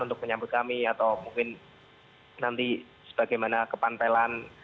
nanti sebagaimana kepantelan